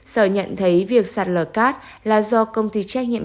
sở nhận thấy việc sạt lở cát là do công ty trách nhiệm